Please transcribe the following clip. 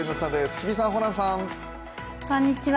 日々さん、ホランさん。